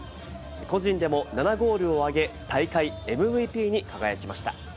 個人でも７ゴールを挙げ、大会ＭＶＰに輝きました。